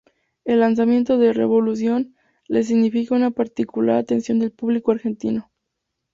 El lanzamiento de "Revolución" les significa una particular atención del público argentino.